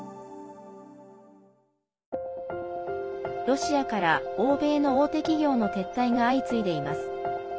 ロシアから欧米の大手企業の撤退が相次いでいます。